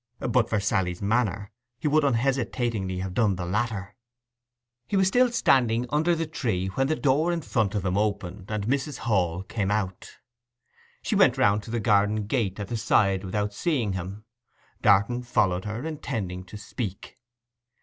But for Sally's manner he would unhesitatingly have done the latter. He was still standing under the tree when the door in front of him opened, and Mrs. Hall came out. She went round to the garden gate at the side without seeing him. Darton followed her, intending to speak.